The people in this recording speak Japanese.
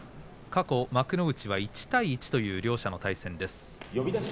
過去、幕内は１対１両者の対戦です。